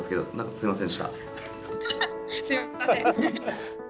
すみません。